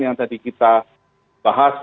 yang tadi kita bahas